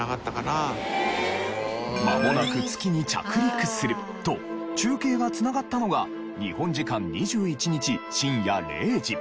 「まもなく月に着陸する」と中継が繋がったのが日本時間２１日深夜０時。